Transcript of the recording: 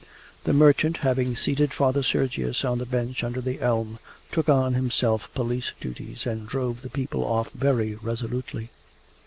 The merchant, having seated Father Sergius on the bench under the elm, took on himself police duties and drove the people off very resolutely.